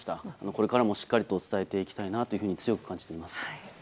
これからもしっかりと伝えていきたいなと強く感じています。